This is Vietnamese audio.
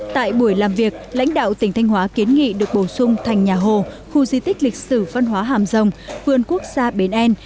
tại buổi làm việc lãnh đạo tỉnh thanh hóa kiến nghị được bổ sung thành nhà hồ khu di tích lịch sử văn hóa hàm rồng vườn quốc gia bến an